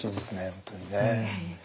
本当にね。